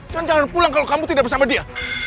jangan pulang kalau kamu tidak bersama dia